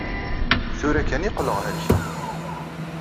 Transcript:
Tura kan i qqleɣ helkeɣ.